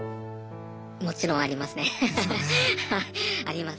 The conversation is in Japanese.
もちろんありますね。ですよね。